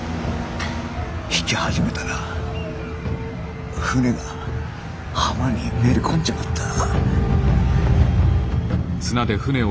引き始めたら船が浜にめり込んじまった。